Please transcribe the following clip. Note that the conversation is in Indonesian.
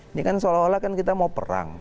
ini kan seolah olah kan kita mau perang